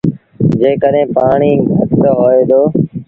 جيڪڏهين پآڻيٚ گھٽ هوئي دو۔